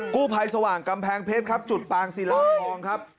กู้ภัยสว่างกำแพงเพชรครับจุดปางศิลาทองครับ